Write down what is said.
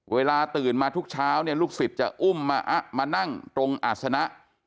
เวลาตื่นมาทุกเช้าเนี่ยลูกศิษย์จะอุ้มมานั่งตรงอาศนะ